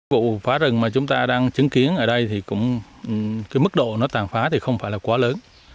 vụ phá rừng mà chúng ta đang chứng kiến ở đây thì cũng cái mức độ nó tàn phá thì không phải là quá lớn